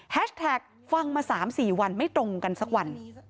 แท็กฟังมา๓๔วันไม่ตรงกันสักวัน